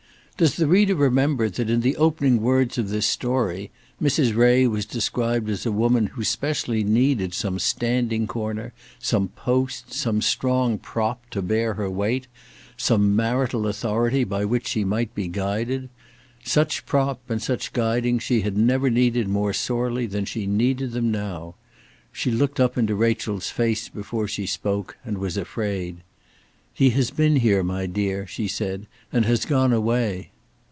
Does the reader remember that in the opening words of this story Mrs. Ray was described as a woman who specially needed some standing corner, some post, some strong prop to bear her weight, some marital authority by which she might be guided? Such prop and such guiding she had never needed more sorely than she needed them now. She looked up into Rachel's face before she spoke, and was afraid. "He has been here, my dear," she said, "and has gone away."